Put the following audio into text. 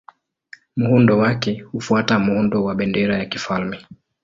Muundo wake hufuata muundo wa bendera ya kifalme.